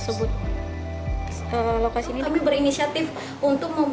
lokasi ini berinisiatif untuk membuka